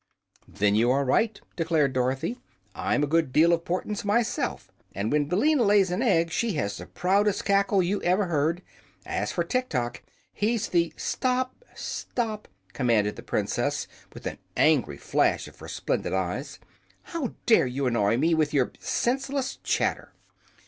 "Then you were right," declared Dorothy. "I'm a good deal of 'portance myself, and when Billina lays an egg she has the proudest cackle you ever heard. As for Tiktok, he's the " "Stop Stop!" commanded the Princess, with an angry flash of her splendid eyes. "How dare you annoy me with your senseless chatter?"